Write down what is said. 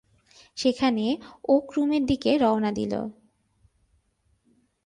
সেখানে ওক রুমের দিকে রওনা দিল।